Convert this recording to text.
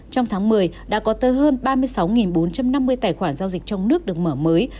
trong tháng một mươi đã có tới hơn ba mươi sáu bốn trăm năm mươi tài khoản giao dịch trong nước được mở mới